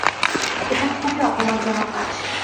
এটা খুবই অপমানজনক কাজ।